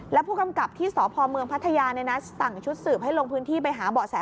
แล้วผู้กำกับที่ศพพภัทยาห์ในนัชสั่งชุดสืบลงพื้นที่ไปหาเบาะแส